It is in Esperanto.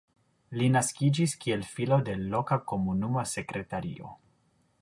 Li naskiĝis kiel filo de loka komunuma sekretario.